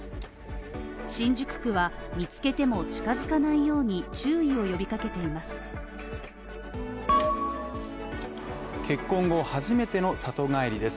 新宿区は見つけても近づかないように注意を呼びかけています。